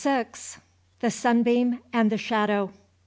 THE SUNBEAM AND THE SHADOW.